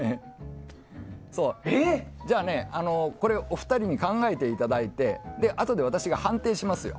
お二人に考えていただいてあとで私が判定しますよ。